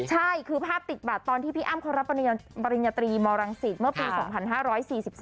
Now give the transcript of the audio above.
ใช่คือภาพติดบัตรตอนที่พี่อ้ำเขารับปริญญาตรีมรังสิตเมื่อปี๒๕๔๒